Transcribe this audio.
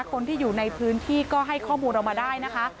คนที่อยู่ในพื้นที่ก็ให้ข้อมูลเรามาได้นะคะ